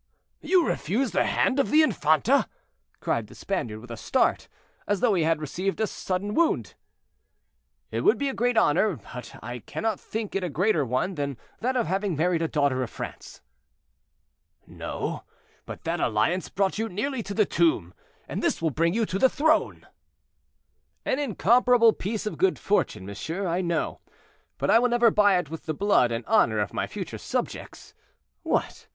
"You refuse the hand of the infanta!" cried the Spaniard, with a start, as though he had received a sudden wound. "It would be a great honor, but I cannot think it a greater one than that of having married a daughter of France." "No; but that alliance brought you nearly to the tomb, and this will bring you to the throne." "An incomparable piece of good fortune, monsieur, I know; but I will never buy it with the blood and honor of my future subjects. What!